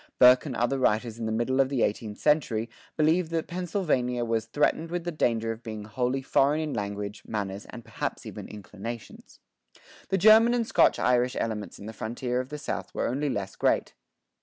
Burke and other writers in the middle of the eighteenth century believed that Pennsylvania[23:1] was "threatened with the danger of being wholly foreign in language, manners, and perhaps even inclinations." The German and Scotch Irish elements in the frontier of the South were only less great.